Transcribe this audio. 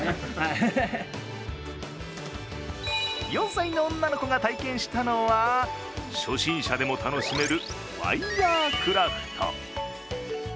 ４歳の女の子が体験したのは初心者でも楽しめるワイヤークラフト。